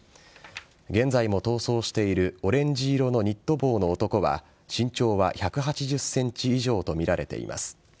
現在も逃走しているオレンジ色のニット帽の男は身長は１８０ｃｍ以上とみられています。